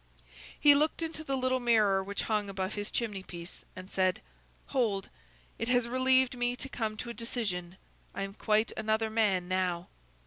He looked into the little mirror which hung above his chimney piece, and said:— "Hold! it has relieved me to come to a decision; I am quite another man now."